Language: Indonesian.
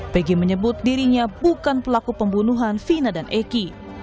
pg menyebut dirinya bukan pelaku pembunuhan vina dan eki